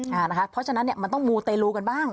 เพราะฉะนั้นมันต้องมูเตลูกันบ้าง